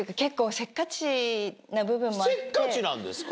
せっかちなんですか？